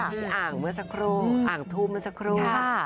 อ่างเมื่อสักครู่อ่างทูบเมื่อสักครู่